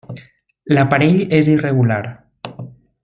L'aparell és irregular.